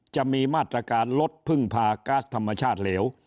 จะมีมาตรการลดพึ่งพาก๊าซธรรมชาติเหลว